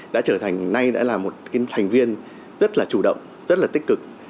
đã trở thành nay là một thành viên rất chủ động rất tích cực